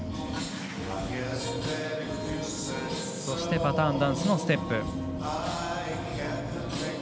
そして、パターンダンスステップ。